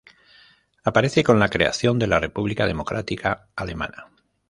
Aparece con la creación de la República Democrática Alemana.